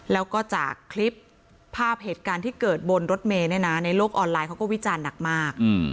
แล้วก็จากคลิปภาพเหตุการณ์ที่เกิดบนรถเมย์ในโลกออนไลน์เขาก็วิจารณ์หนักมาก